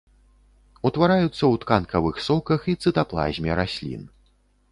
Утвараюцца ў тканкавых соках і цытаплазме раслін.